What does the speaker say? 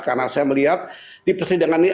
karena saya melihat di persidangan ini